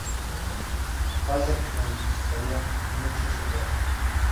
Falta que costaría mucho superar.